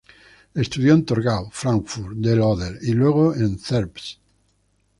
Estudió en Torgau, Fráncfort del Oder, y luego en Zerbst.